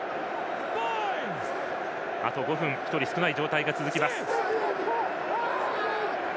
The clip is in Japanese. あと５分、１人少ない状況が続きます。